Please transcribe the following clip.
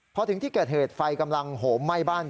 พอถึงที่เกิดเหตุไฟกำลังโหมไหม้บ้าน